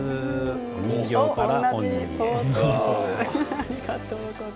お人形から本人へ。